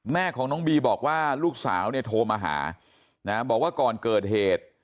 แม่ของน้องบีบอกว่าลูกสาวเนี่ยโทรมาหานะบอกว่าก่อนเกิดเหตุ